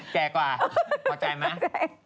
แก่กว่าเข้าใจไหม